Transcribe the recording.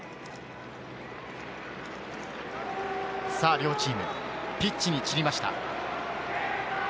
両チーム、ピッチに散りました。